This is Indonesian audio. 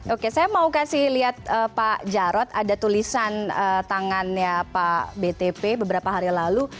oke saya mau kasih lihat pak jarod ada tulisan tangannya pak btp beberapa hari lalu